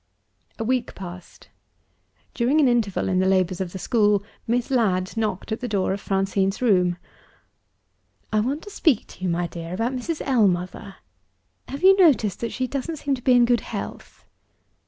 A week passed. During an interval in the labors of the school, Miss Ladd knocked at the door of Francine's room. "I want to speak to you, my dear, about Mrs. Ellmother. Have you noticed that she doesn't seem to be in good health?"